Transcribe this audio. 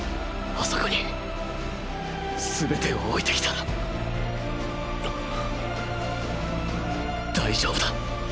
あそこにすべてを置いてきた大丈夫だ。